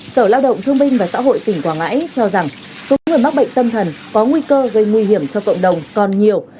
sở lao động thương binh và xã hội tỉnh quảng ngãi cho rằng số người mắc bệnh tâm thần có nguy cơ gây nguy hiểm cho cộng đồng còn nhiều